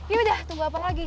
yaudah tunggu apa lagi